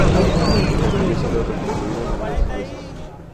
El castillo ha sido reconstruido numerosas veces.